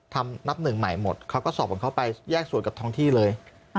นับหนึ่งใหม่หมดเขาก็สอบของเขาไปแยกส่วนกับท้องที่เลย